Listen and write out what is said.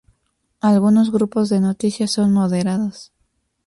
Algunos grupos de noticias son moderados.